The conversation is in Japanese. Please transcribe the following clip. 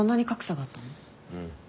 うん。